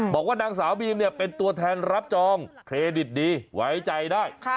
บอกว่านางสาวบีมเนี่ยเป็นตัวแทนรับจองเครดิตดีไว้ใจได้